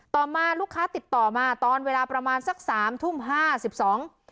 ต่อมาลูกค้าติดต่อมาตอนเวลาประมาณสัก๓ทุ่ม๑๒น